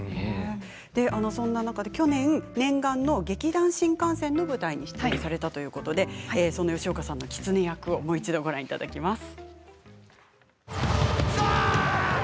そんな中で去年念願の劇団☆新感線の舞台に出演されたということで吉岡さんの狐役もう一度ご覧いただきます。